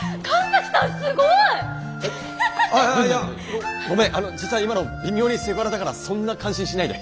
すごい！えあいやごめん実は今の微妙にセクハラだからそんな感心しないで。